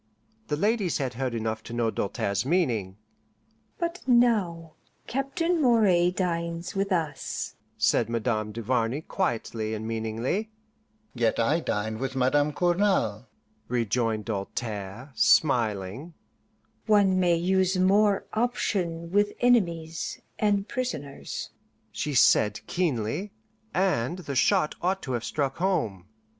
The ladies had heard enough to know Doltaire's meaning. "But now Captain Moray dines with us," said Madame Duvarney quietly and meaningly. "Yet I dine with Madame Cournal," rejoined Doltaire, smiling. "One may use more option with enemies and prisoners," she said keenly, and the shot ought to have struck home.